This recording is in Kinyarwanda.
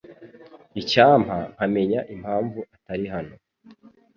Icyampa nkamenya impamvu atari hano.